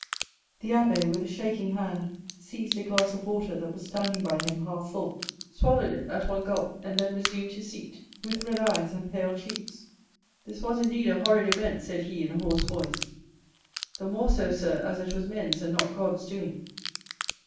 The abbé, with a shaking hand, seized a glass of water that was standing by him half full, swallowed it at one gulp, and then resumed his seat, with red eyes and pale cheeks. "This was, indeed, a horrid event," said he in a hoarse voice. "The more so, sir, as it was men's and not God's doing."